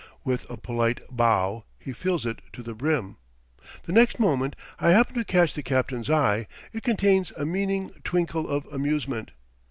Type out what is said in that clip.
With a polite bow he fills it to the brim. The next moment, I happen to catch the captain's eye, it contains a meaning twinkle of amusement.